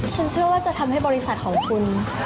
เชื่อว่าจะทำให้บริษัทของคุณ